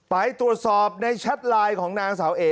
ไปตรวจสอบในแชทไลน์ของนางสาวเอ๋